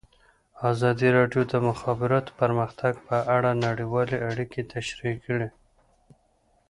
ازادي راډیو د د مخابراتو پرمختګ په اړه نړیوالې اړیکې تشریح کړي.